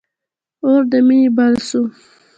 اور د مینی بل سو